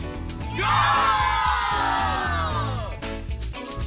ゴー！